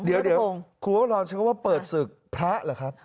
เดี๋ยวคุณผู้ชมร้อนฉันก็ว่าเปิดศึกพระเหรอครับ